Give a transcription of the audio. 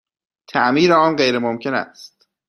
تعمیر آن غیرممکن است.